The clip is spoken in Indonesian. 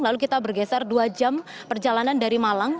lalu kita bergeser dua jam perjalanan dari malang